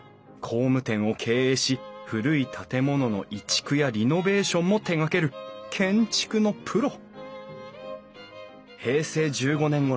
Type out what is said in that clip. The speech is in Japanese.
工務店を経営し古い建物の移築やリノベーションも手がける建築のプロ。